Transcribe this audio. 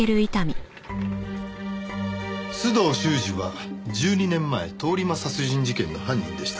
須藤修史は１２年前通り魔殺人事件の犯人でした。